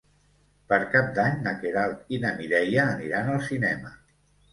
Per Cap d'Any na Queralt i na Mireia aniran al cinema.